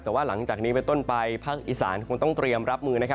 แต่ว่าหลังจากนี้ไปต้นไปภาคอีสานคงต้องเตรียมรับมือนะครับ